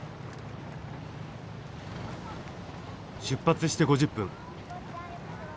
出発して５０分。